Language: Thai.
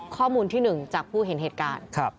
ข้อมูลที่๑จากผู้เห็นเหตุการณ์